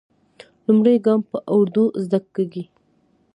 لومړی ګام په اردو زده کېږي.